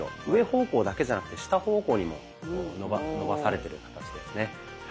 上方向だけじゃなくて下方向にも伸ばされてる形ですね。